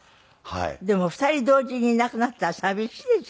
でも２人同時にいなくなったら寂しいでしょ？